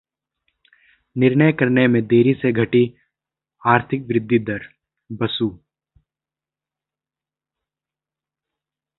निर्णय करने में देरी से घटी आर्थिक वृद्धि दर: बसु